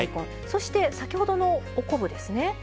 そして先ほどのお昆布ですね。